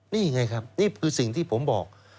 นี่ไงครับนี่คือสิ่งที่ผมบอก